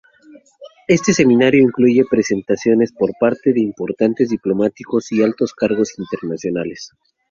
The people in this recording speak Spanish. Este seminario incluye presentaciones por parte de importantes diplomáticos y altos cargos internacionales.